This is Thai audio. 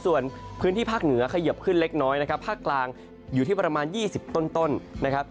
ส่วนพื้นที่ภาคเหนือเขยิบขึ้นเล็กน้อยนะครับภาคกลางอยู่ที่ประมาณ๒๐ต้นนะครับ